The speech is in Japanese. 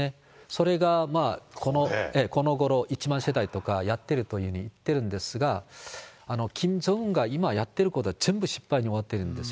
それがこのごろ１万世帯とかやってるといってるんですが、キム・ジョンウンが今やってることは全部失敗に終わってるんです